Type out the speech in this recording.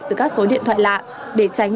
từ các số điện thoại lạ để tránh